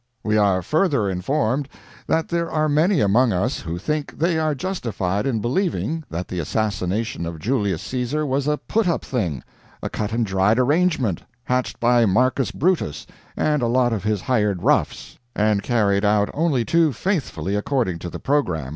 We are further informed that there are many among us who think they are justified in believing that the assassination of Julius Caesar was a put up thing a cut and dried arrangement, hatched by Marcus Brutus and a lot of his hired roughs, and carried out only too faithfully according to the program.